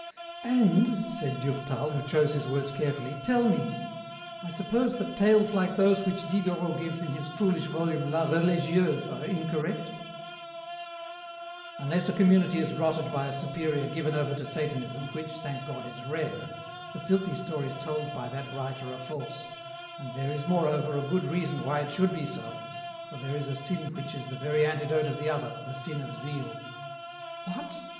" And," said Durtal, who chose his words carefully, " tell me, I suppose that tales like those which Diderot gives in his foolish volume ' La Religieuse ' are incorrect ?"" Unless a community is rotted by a superior given over to Satanism, which, thank God, is rare, the filthy stories told by that writer are false, and there is moreover a good reason why it should be so, for there is a sin which is the very antidote of the other, the sin of zeal." "What?"